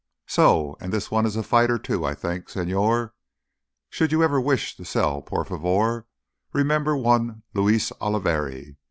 "So. And this one is a fighter, too. I think. Señor, should you ever wish to sell, por favor, remember one Luis Oliveri!